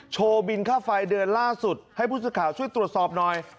บินค่าไฟเดือนล่าสุดให้ผู้สื่อข่าวช่วยตรวจสอบหน่อย